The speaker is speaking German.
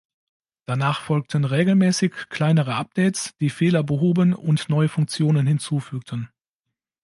Danach folgten regelmäßig kleinere Updates, die Fehler behoben und neue Funktionen hinzufügten.